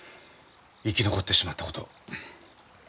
生き残ってしまったことを。